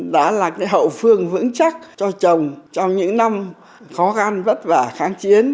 đã là hậu phương vững chắc cho chồng trong những năm khó khăn vất vả kháng chiến